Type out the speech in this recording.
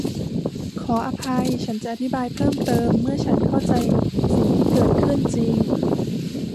ขออภัยฉันจะอธิบายเพิ่มเติมเมื่อฉันเข้าใจสิ่งที่เกิดขึ้นจริง